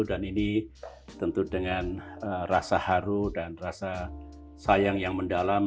dan ini tentu dengan rasa haru dan rasa sayang yang mendalam